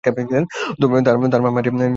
তার মা Maria née Wolf ছিলেন গৃহিণী।